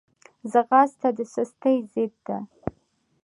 ځغاسته د سستۍ ضد ده